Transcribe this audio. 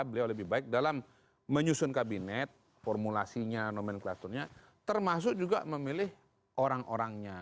beliau lebih baik dalam menyusun kabinet formulasinya nomenklaturnya termasuk juga memilih orang orangnya